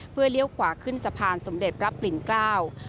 เพื่อเลี้ยวขวาขึ้นสะพานสมเด็จพระปลิ่นเกล้า